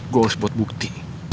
gue harus buat bukti